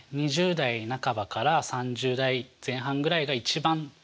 ２０代半ばから３０代前半ぐらいが一番ピークですね。